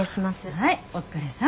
はいお疲れさん。